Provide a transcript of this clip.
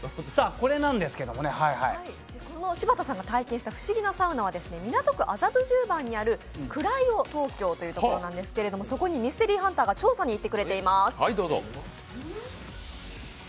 柴田さんが体験した不思議なサウナは麻布十番にあるＣＲＹＯＴＯＫＹＯというところなんですけど、そこにミステリーハンターが調査に行ってくれています。